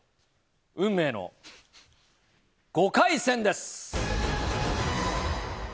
運命の５回戦です。